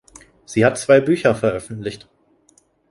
Sie hat zwei Bücher veröffentlicht.